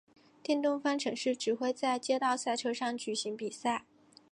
电动方程式只会在街道赛车场上举行比赛。